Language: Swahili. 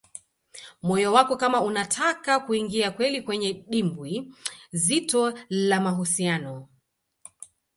moyo wako kama unataka kuingia kweli kwenye dimbwi zito la mahusiano